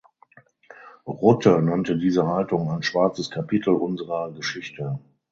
Rutte nannte diese Haltung „ein schwarzes Kapitel unserer Geschichte“.